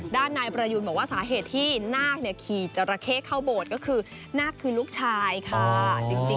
ด้านนายประยูนบอกว่าสาเหตุที่นาคขี่จราเข้เข้าโบสถ์ก็คือนาคคือลูกชายค่ะ